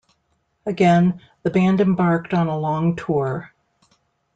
Again, the band embarked on a long tour.